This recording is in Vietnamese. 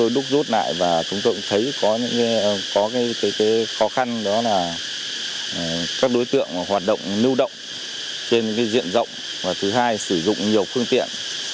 đó là các đối tượng hoạt động lưu động trên diện rộng và thứ hai sử dụng nhiều phương tiện